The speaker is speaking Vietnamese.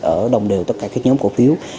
ở đồng đều tất cả các nhóm cổ phiếu